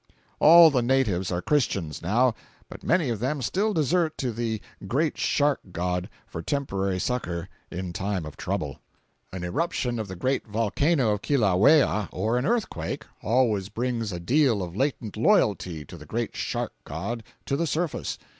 All the natives are Christians, now, but many of them still desert to the Great Shark God for temporary succor in time of trouble. An irruption of the great volcano of Kilauea, or an earthquake, always brings a deal of latent loyalty to the Great Shark God to the surface.